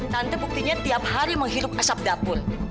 nanti buktinya tiap hari menghirup asap dapur